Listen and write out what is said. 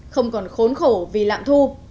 không còn khốn khổ vì lạm thu